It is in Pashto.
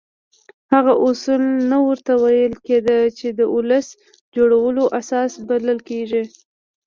هغه اصول نه ورته ویل کېده چې د وسلو جوړولو اساس بلل کېږي.